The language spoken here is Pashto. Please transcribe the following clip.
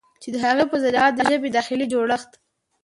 چې د هغه په ذريعه د ژبې داخلي جوړښت